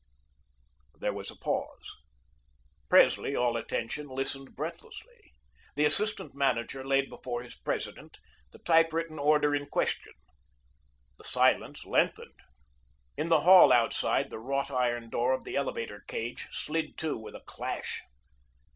There was a pause. Presley all attention, listened breathlessly. The assistant manager laid before his President the typewritten order in question. The silence lengthened; in the hall outside, the wrought iron door of the elevator cage slid to with a clash.